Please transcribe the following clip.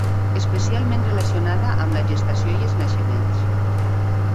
Especialment relacionada amb la gestació i els naixements.